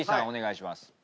お願いします。